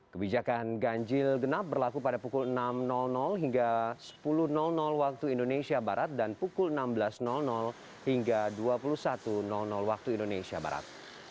kebijakan ganjil genap berlaku pada pukul enam hingga sepuluh waktu indonesia barat dan pukul enam belas hingga dua puluh satu waktu indonesia barat